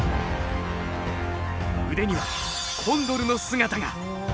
腕にはコンドルの姿が！